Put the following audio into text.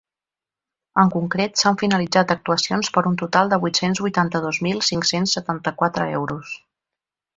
En concret, s’han finalitzat actuacions per un total de vuit-cents vuitanta-dos mil cinc-cents setanta-quatre euros.